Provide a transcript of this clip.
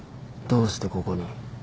どうしてここに？